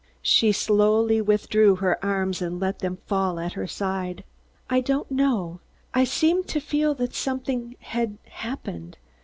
She slowly withdrew her arms and let them fall at her side. "I don't know. I seemed to feel that something had happened.